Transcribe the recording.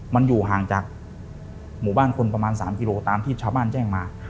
มันอยู่ห่างจากหมู่บ้านคนประมาณ๓กิโลตามที่ชาวบ้านแจ้งมา